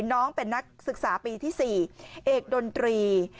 น้องเป็นนักศึกษาปีที่๔เอกดนตรี